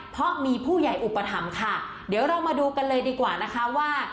เพราะมีผู้ใหญ่อุปถัมภ์ค่ะเดี๋ยวเรามาดูกันเลยดีกว่านะคะว่า